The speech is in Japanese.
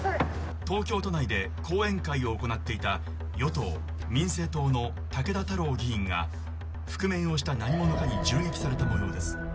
東京都内で講演会を行っていた与党民生党の武田太郎議員が覆面をした何者かに銃撃された模様です」